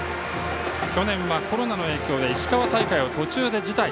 去年はコロナの影響で石川大会を途中で辞退。